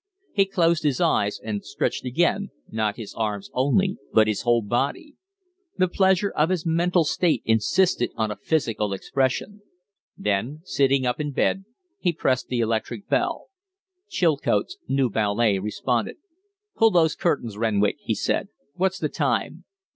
He closed his eyes and stretched again, not his arms only, but his whole body. The pleasure of his mental state insisted on a physical expression. Then, sitting up in bed, he pressed the electric bell. Chilcote's new valet responded. "Pull those curtains, Renwick!" he said. "What's the time?"